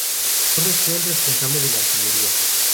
Torres fue el responsable de la artillería.